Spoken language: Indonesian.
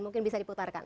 mungkin bisa diputarkan